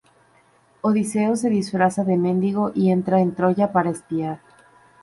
Odiseo se disfraza de mendigo y entra en Troya para espiar.